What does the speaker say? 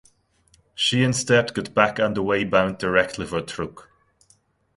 She instead got back underway bound directly for Truk.